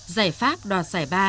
giải pháp đoạt giải ba